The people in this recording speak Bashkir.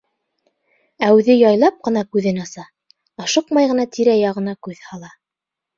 Ә үҙе яйлап ҡына күҙен аса, ашыҡмай ғына тирә-яғына күҙ һала.